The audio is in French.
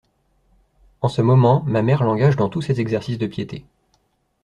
En ce moment, ma mère l'engage dans tous ses exercices de piété.